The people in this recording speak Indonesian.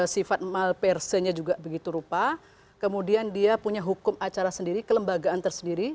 sifat malperse nya juga begitu rupa kemudian dia punya hukum acara sendiri kelembagaan tersendiri